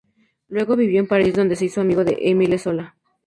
Luego vivió en París, donde se hizo amigo de Émile Zola.